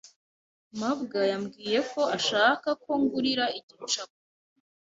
mabwa yambwiye ko ashaka ko ngurira igicapo.